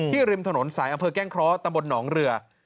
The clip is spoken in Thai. ที่ริมถนนสายอำเภเกล็งคร้อต้ำบลหนองเรือ